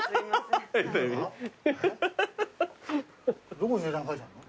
どこに値段書いてあんの？